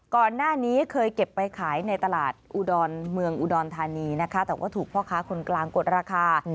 ก่อนหน้านี้เคยเก็บไปขายในตลาดอุดรเมืองอุดรธานีนะคะแต่ว่าถูกพ่อค้าคนกลางกดราคา